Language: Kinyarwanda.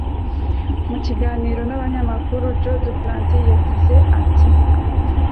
Mu kiganiro nabanyamakuru Joe Duplantier yagize ati